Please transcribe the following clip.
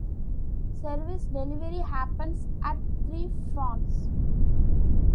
Service delivery happens at three fronts.